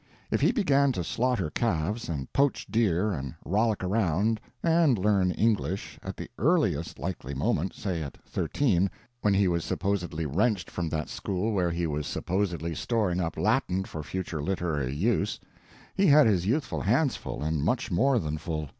If he began to slaughter calves, and poach deer, and rollick around, and learn English, at the earliest likely moment—say at thirteen, when he was supposably wrenched from that school where he was supposably storing up Latin for future literary use—he had his youthful hands full, and much more than full.